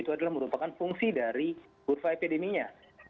itu adalah merupakan fungsi dari kurva epideminya